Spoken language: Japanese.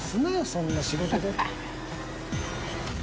そんな仕事で。